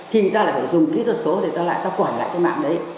thì người ta lại phải dùng kỹ thuật số để quản lại mạng đấy